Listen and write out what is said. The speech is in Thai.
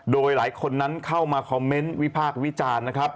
โดยหลายคนนั้นเข้ามาคอมเมนต์วิพากษ์วิจารณ์นะครับ